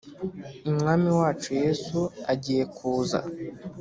Umwami wacu Yesu agiye kuza